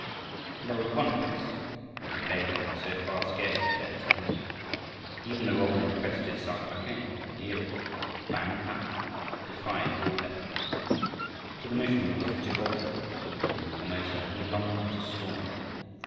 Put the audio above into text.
But there was one place Mackay had so far scarcely dared to enter. Even the robber infested Sa kak eng would yield, but Bang kah defied all efforts. To the missionary it was the Gibraltar of heathen Formosa, and he longed to storm it.